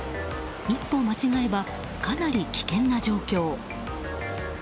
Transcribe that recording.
一歩間違えば、かなり危険な状況。